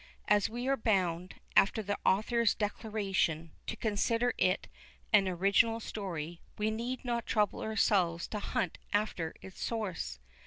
As we are bound, after the author's declaration, to consider it an original story, we need not trouble ourselves to hunt after its source.